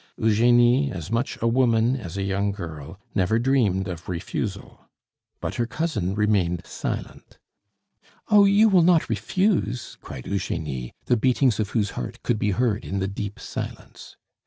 Eugenie, as much a woman as a young girl, never dreamed of refusal; but her cousin remained silent. "Oh! you will not refuse?" cried Eugenie, the beatings of whose heart could be heard in the deep silence.